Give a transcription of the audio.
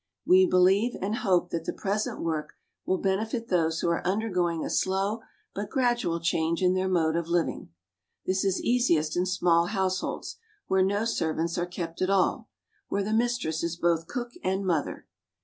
We believe and hope that the present work will benefit those who are undergoing a slow but gradual change in their mode of living. This is easiest in small households, where no servants are kept at all, where the mistress is both cook and mother.